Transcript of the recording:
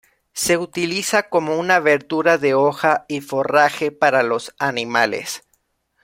Se utiliza como una verdura de hoja y forraje para los animales.